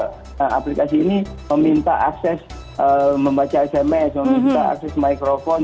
nah aplikasi ini meminta akses membaca sms meminta akses microphone